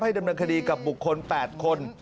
ดำเนินคดีกับบุคคล๘คน